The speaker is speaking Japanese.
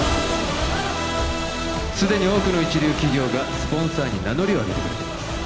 既に多くの一流企業がスポンサーに名乗りを上げてくれています